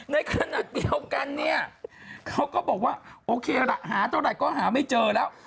ในขณะเดียวกันเนี่ยเขาก็บอกว่าโอเคละหาเท่าไหร่ก็หาไม่เจอแล้ว